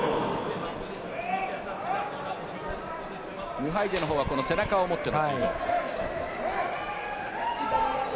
ムハイジェのほうは背中を持っている。